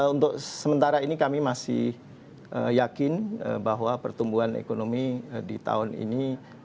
untuk sementara ini kami masih yakin bahwa pertumbuhan ekonomi di tahun ini